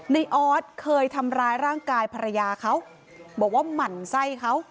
ออสเคยทำร้ายร่างกายภรรยาเขาบอกว่าหมั่นไส้เขา